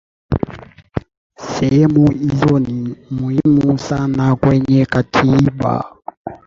sehemu hizo ni muhimu sana kwenye katiba